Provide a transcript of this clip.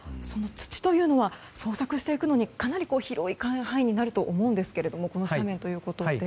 土というのは捜索していくのにかなり広い範囲になると思うんですけどこの斜面ということで。